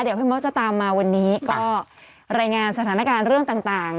เดี๋ยวพี่มดจะตามมาวันนี้ก็รายงานสถานการณ์เรื่องต่าง